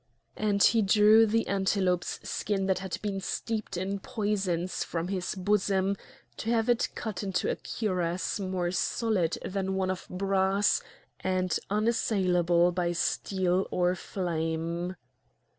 And he drew the antelope's skin that had been steeped in poisons from his bosom to have it cut into a cuirass more solid than one of brass and unassailable by steel or flame.